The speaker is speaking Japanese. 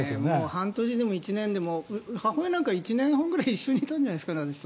半年でも１年でも母親なんか１年ぐらい一緒にいたんじゃないですかね。